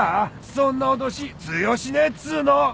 そんな脅し通用しねえっつうの！